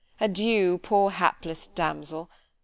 _—adieu, poor hapless damsel!